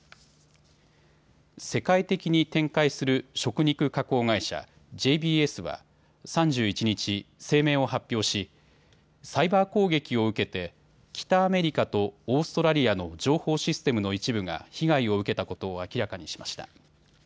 世界的に展開する食肉加工会社、ＪＢＳは３１日、声明を発表しサイバー攻撃を受けて北アメリカとオーストラリアの情報システムの一部が被害を受けたことを明らかにしました。